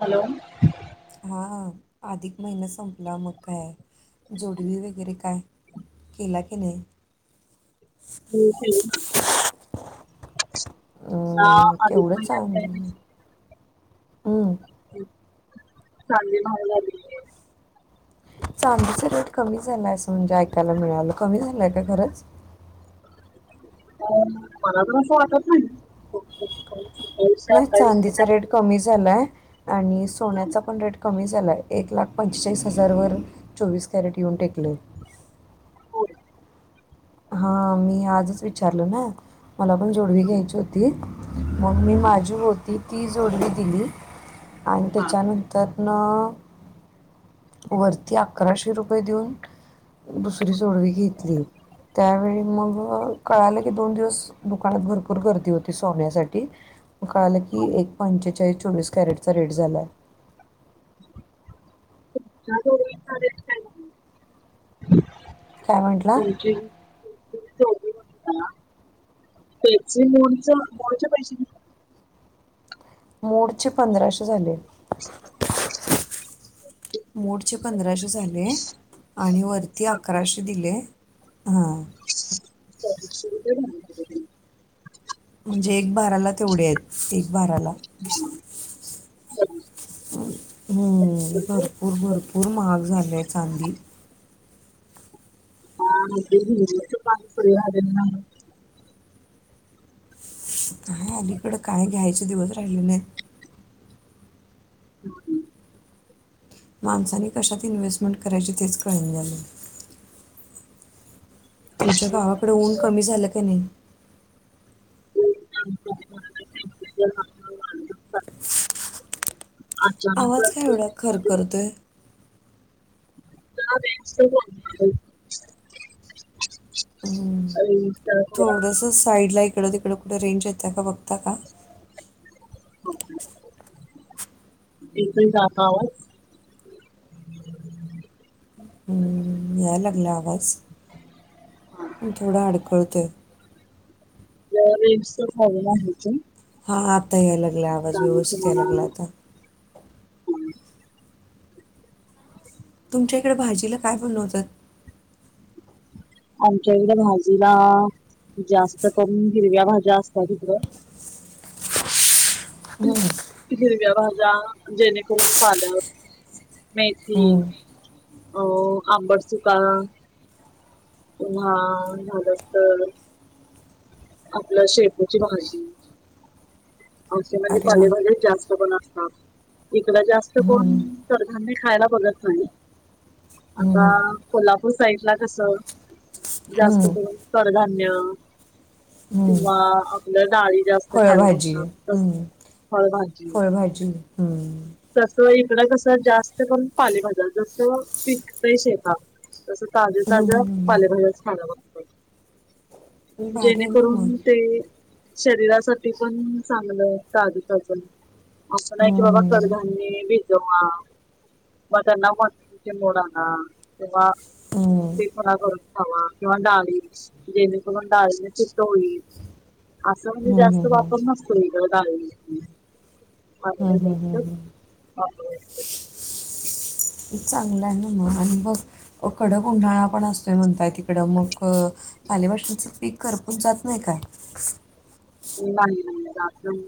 Hello. हा आधिक महिना संपला, मग काय जोडवी वगैरे काय. केला की नाही. हो केली, हा अधिक महिन्यात काय नाही. हम. चांदी महाग झाली. चांदीच रेट कमी झालाय असं म्हणजे ऐकायला मिळालं, कमी झालंय का खरंच. मला तर अस वाटत नाही. सत्तावीसशे नाही अठ्ठावीसशे चांदीचा रेट काहीतरी कमी झालाय. आणि सोन्याचा पण रेट कमी झालाय, एक लाख पंचेचाळीस हजार वरून चोवीस कॅरेट येऊन टेकले. होईल. हा मी आजच विचारलो ना, मला पण जोडवी घ्यायची होती. मग मी माझी होती ती जोडवी दिली. आणि हा त्याच्यानंतरन. वरती अकराशे रुपये देऊन दुसरी जोडवी घेतली. त्यावेळी मग कळालं की दोन दिवस, दुकानात भरपूर गर्दी होती सोन्यासाठी. म कळालं की एक पंचेचाळीस चोवीस कॅरेटचा रेट झालाय. तुमच्या जोडवीचा रेट काय आहे. काय म्हटला तुमची. त्याचे मोडीचं [inaudible] पैसे. झाले? मोडचे पंधराशे झाले. [inaudible] मोडचे पंधराशे झाले, आणि वरती सहाशे- अकराशे दिले. हां. [inaudible] म्हणजे एक भाराला तेवढे आहेत, एक भाराला. हम् ह [unintelligible] हम्. भरपूर-भरपूर महाग झालेय चांदी. ह पाणी. [unintelligible] काय आलीकडं काय घ्यायचे दिवस राहिलेले नाहीत. [inaudible] माणसनी कशात इन्हेस्टमेंट करायची तेच कळेन झालय. तुमच्या गावाकडें ऊन करायची. कमी झालं का नाही? [inaudible] चाललंय. आवाज काय अचानकच एवढा खर खरतोय. [inaudible] हम, रेंजचा थोडा थोडस साईडला इकडं-तिकडं कुठं रेंज येत्या का बघता का. एकण जात आवा. [unintelligible] हम्म, यायलागलाय आवाज, पण थोडा अडकळतोय. रेमस हवच. [inaudible] [unintelligible] हां आता याय्य् लागला. आवाज व्यवस्थितं यायला तुम्हाला लागला आता. तुमच्या इकडे भाजीला कायं बणवतात. आमच्या इकडे भाजीला अं जास्तं करून हिरव्या भाज्या असतात ईकडं. हम्म, [unintelligible] हिरव्या भाज्यां जेणेकरून पालक, मेथी हम्म, होवं अं आंबड चूका हूं आं हां झास असतं. आपल्या शेपूची भाजीं. [inaudible] अंऔश अरे वा पालेवालेचं जास्त पण असतात. ईकड जास्त कोणं कधान्य खायला बघत नाही. हम्म, आतां कोल्हापूर साईड लां कसं. जास्त हम्म, करून, कडधान्य हम्म. किंवा आपल्या डाळी जास्त. खायला फळभाजी बघतात तस अं आहे फळभाजी फळभाजी. अं. तसं ईकडे कसं जास्त करून, पण पालेभजा जसं पिकते शेताात. तसं ताज्या- ताज्या हम्म, पालेभाज्याचं खाला बघतो. भारी आहे ना मग जेणेकरून तें शरीरासाठी पण. चांगलं काजू तजून असं नाही, की बाबा हम्म, कधाननी भिजवा. माझ नवं मात तज नोड नां तेवा्हा. हम्म. तें पुणा करून खावां किंवा डाळी. जेने म करुन म्हणजे दाने तिटोई. आसं म्हणजे हम्म, जास्तं हम्म, हम्म, वापर नसतो, तेथ दळीचे. हम्म. [inaudible] [unintelligible] चांगलं आहे नां मग आणि मग तीकडं उन्हाळा पणं असतोय म्हणतायं तिकडं मग. पाले भाज्या पौसष्टीकच [inaudible] पीक करपून जात नाही का. नाहीं-नाहीं-नाही [inaudible] जात.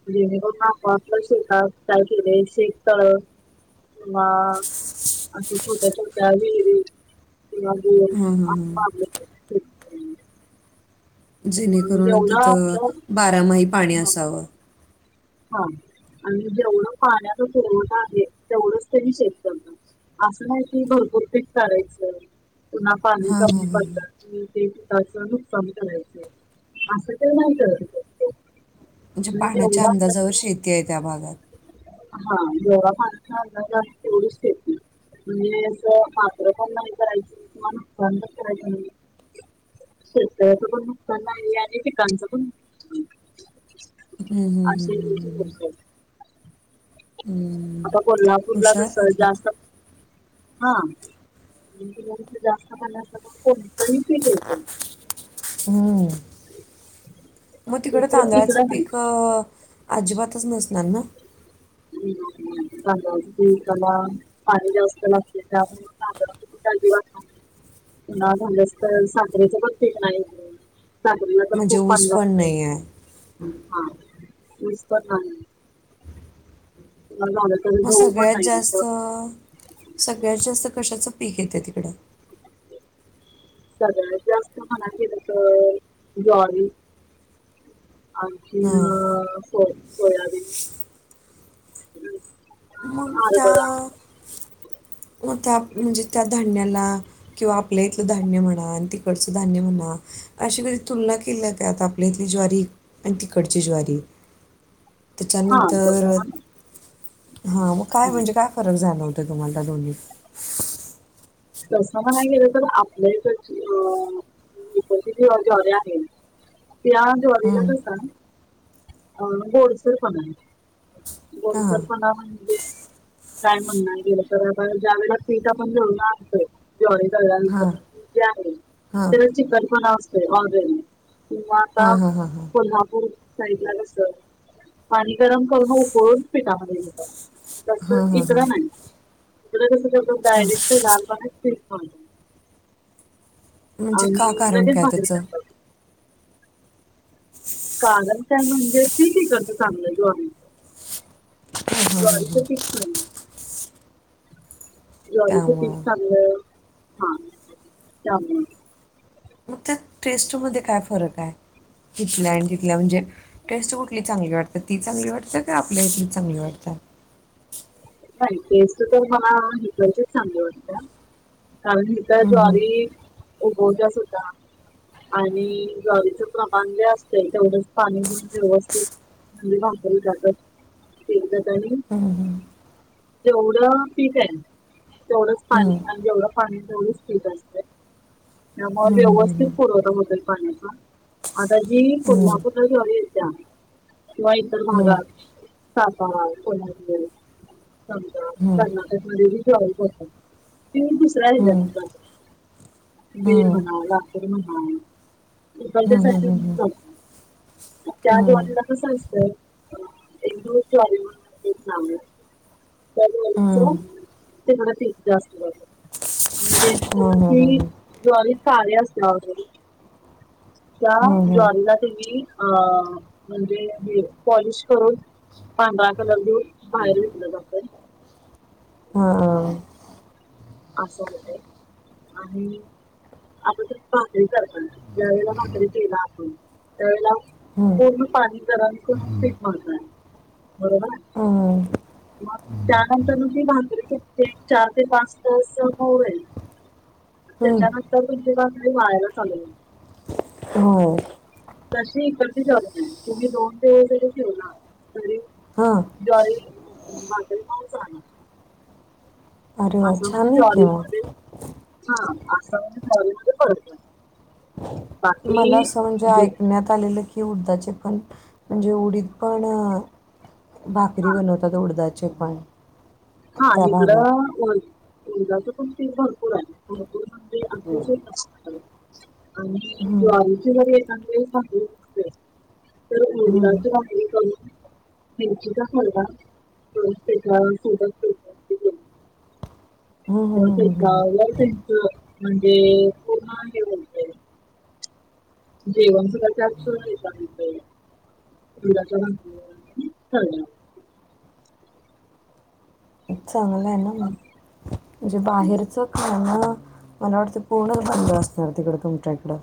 [inaudible] जेणेकरलं शिकात काय केले शकत. [inaudible] हं असं छोट्या -छोट्यायं. [inaudible] जेणेकरूनं जेवढं तिथं आपलं बारामाही अं पाणी असावं. [unintelligible] हां आणि जेवढं पाण्याचा पुरवठा आहे तेवढंचं त्यांनी शेत करत. असं नाही किं भरपूर पीक काढायचं, पुन्हा पाणी कमी पडतात. ते अचान समजवायचं करायचंय असं ते नाही करत. म्हणजे पाण्याच्या अंदाजावर शेती आहे त्यां भागात. हां जेवढी पाणी जास्तं फार् तेवढीच येत नाही. म्हणजे असं मात्र पण नाही, करायचं कुला नुकसानं पण करायचं म्हणजे. शेतकऱ्यांचं पण नुकसान [unintelligible] आणि पिकांचा पण नुकसान आहे. हम्मं- हम्मं-हम्म- हम्म -हम्मं लोकं आहेत. हम्म्ं आतां कोल्हापूरला तसं जास्तचं. हांं जास्तं पण जास्तच पिणी कोणतेत. हम्म्ं [inaudible] मगं तिकडं तसं तांदळाचं इकडं नाही. पीक अजिबातचं नसणार नां? [inaudible] हम्मं -हम्मं तांदळाच्या पिकला पाणी जास्त लागते, त्यामुळे तांदळाचं. तांदळाच्या पीक दिवस झाल्यास तर् साजरीेच पण पीकं नाही. सांगली लि तर् म्हणजे खूप ऊस पाणी पण लागत नाही आहे हां मसं पण नाही. [inaudible] मग पण सगळ्यात नाही. तर जास्त सगळ्यात जास्त कशाचं पीक येतं तिकडं? सगळ्यात जास्त म्हणा गेलं तर ज्वारी आणखी हां अ सो सोयाबीन. आता. हरभरा कोणता त्या म्हणजे त्या धान्याला किंवा आपल्या इथलं धान्य म्हणा आणि तिकडचं धान्य म्हणा. कशी कधी तुलना केली आहेत का आता आपल्या इथली ज्वारी आणि तिकडची ज्वारी. हा त्याच्यानंतर तसं म्हणा. हा मग काय हं. म्हणजे काय फरक झालंव होतं तुम्हाला दोन्हीत? असं म्हणायला गेलो तर आ आपले इकडची ज्वारी आहेत. त्या ज्वारीला हां कस अ गोडसर पणा आहे हां गोडसर पणा म्हणजे काय म्हणणार गेलं तर आपण ज्या वेळे पीठ आपण घेऊणार असतोय ज्वारी हां दळल्यानंतर आहे हां त्याची चिकन पणा असते ऑलरेडी किवा हां आता हां हां हां कोल्हापूर साईडला कसं पाणी गरम करून उकळून पिठामध्ये येत. तस इकडं नाही इकड कस डायरेक्ट गार पाण्यात पीठ मळत. म्हणजे आणि का कारण लगेच काय भाकरी त्याचं? करतात कारण काय म्हणजे पीक इकडचं चांगल आहे ज्वारीच. हां हां हां ज्वारीचे हां पीक पण ज्वारीचं पीक त्यामुळं चांगलं हा त्यामुळे उठत. टेस्टमध्ये काय फरक आहे. तिथल्या आणि तिथल्या म्हणजे टेस्ट कुठली चांगली वाटते? तर ती चांगली वाटतें का आपल्या इथलीच चांगली वाटते? नाही टेस्ट तर मला इकडची चांगली वाटते. कारण हितज्वारी उगवती सुद्धा. आणि ज्वारीचं प्रमाण जे असे तेवढंच पाणी व्यवस्थित आणि भाकरी करता. जेवढं पीठ आहे तेवढंच पाणी जेवढं पाणी तेवढंच पीठ असतं. त्यामुळे व्यवस्थित पुरवठा होतोय पाण्याचा आता जी कोल्हापूरला ज्वारी येता मग इतर भागात सातारा कोल्हापूर समजा कर्नाटक मध्ये जी ज्वारी पोहोचते ती दुसऱ्या हम्म, याच्यातून जातात. बीड म्हणा लातूर म्हणाच्यासाठी त्या ज्वारीला कसं असतंय. एक दोन ज्वारी म्हणून पीठ लावण्यात हम्म. [unintelligible] तिकडं ते जास्त जातय [unintelligible] हम्म, तुमची हम्म, ज्वारी काळी असणार ऑलरेडी. त्या हम्म, हम्म, ज्वारीला तुम्ही अ म्हणजे हे पॉलिश करून पांढरा कलर देऊन बाहेर विकलं जातो. हा. असं होते आणि आपण त भाकरी करतात ज्यावेेळेला भाकरी केला आपण त्यावेेळेला हम्म, पूर्ण पाणी गरम करून पीठ मळायचं आहे बरोबर. आहे. अ [unintelligible] मग त्यानंतरन ती भाकरी करते चार ते पाच [unintelligible] हम्म, हम्म, त्याच्यानंतर हो. [unintelligible] दोन ते जरी ठेवला तरी हां. ज्वारी, बाजरी पण चालेल. अरे वाह! आस छान म्हणजे आहे की ज्वारी मग. मध्ये, हा आस ज्वारी मध्ये कळत नाही. मला असं म्हणजे ऐकण्यात आलेलं की उडदाचे पण, म्हणजे उडीद पण, अ भाकरी हा बनवतात उडदाचे पण. हा त्या भागात. हीकडं उडदाच पण पीठ भरपूर आहे. भरपूर म्हणजे [unintelligible] आणि हं, ज्वारीची जरी [unintelligible] तर हं. उडदाची भाकरी करून [unintelligible] त्याच्यासोबत हं, हं, हं, हं, हं. [unintelligible] म्हणजे [unintelligible] जेवण सुद्धा जास्त [unintelligible] [unintelligible] चांगलं आहे ना म, असं. म्हणजे हां. बाहेरचं खाणं मला वाटते पूर्णच बंद असणार तिकड, तुमच्या इकडं.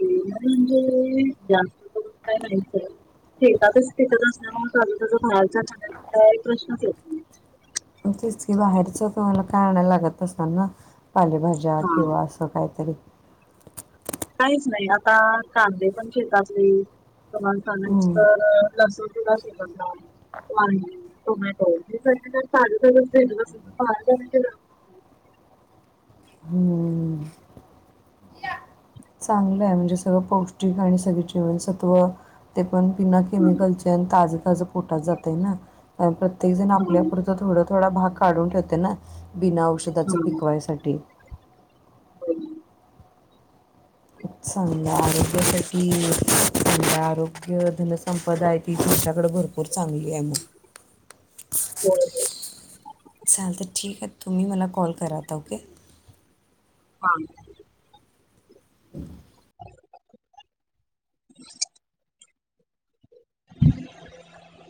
पूर्ण म्हणजे जास्त करून [unintelligible] [unintelligible] तेच की, बाहेरच तुम्हाला काय आणायला लागत नसल ना पालेभाज्या ज्या हां. किंवा असं काहीतरी काहीच नाही, आता कांदे पण शेतातले हम्म. [unintelligible] लसूण सुद्धा शेतातला. वांगी, टोमॅटो हे [unintelligible] ताज ताज [unintelligible] हम्म. चांगलं आहे म्हणजे सगळं पौष्टिक आणि सगळी जीवनसत्त्व ते पण बिना हं, केमिकलचे आणि ताज ताज पोटात जातय ना. प्रत्येक जण हं, आपल्या पुरतं थोड -थोडा भाग काढून ठेवतय ना. बिना औषधाच हं. पिकवायसाठी. [unintelligible] चांगल्या आरोग्यासाठी चांगल आरोग्य धनसंपदा आहे ती तुमच्याकडं भरपूर भरपूर चांगली आहे म होय होय. चालतंय ठीक आहे. तुम्ही मला कॉल करा आता ओके. हा. [inaudible] [inaudible]